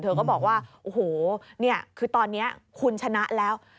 ก็บอกว่าโอ้โหนี่คือตอนนี้คุณชนะแล้ว